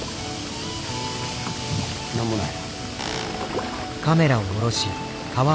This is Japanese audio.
何もない。